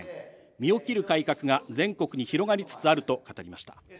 身を切る改革が、全国に広がりつつあると語りました。